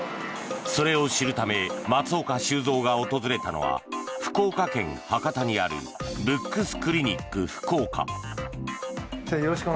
それを知るため松岡修造が訪れたのは福岡県・博多にあるＢＯＯＣＳクリニック福岡。